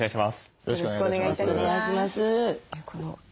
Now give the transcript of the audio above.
よろしくお願いします。